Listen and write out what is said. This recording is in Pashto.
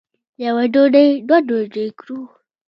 یوه ډوډۍ دوه ډوډۍ کړو.